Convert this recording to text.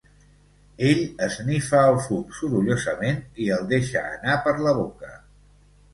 Ell esnifa el fum sorollosament i el deixa anar per la boca.